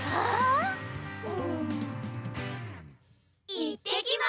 いってきます。